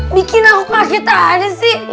bikin aku kagetan sih